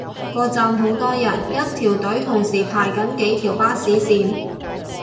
個站好多人，一條隊同時排緊幾條巴士線